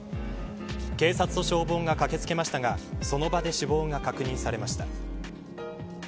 警察と消防が駆けつけましたがその場で死亡が確認されました。